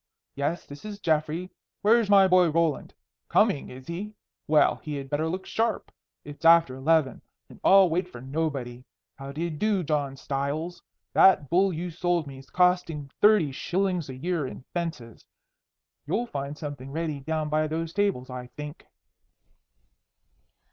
Yes, this is Geoffrey. Where's my boy Roland? Coming, is he? Well, he had better look sharp. It's after eleven, and I'll wait for nobody. How d'ye do, John Stiles? That bull you sold me 's costing thirty shillings a year in fences. You'll find something ready down by those tables, I think."